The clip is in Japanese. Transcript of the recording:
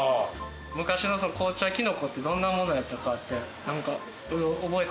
昔の紅茶キノコってどんなものやったかって何か覚え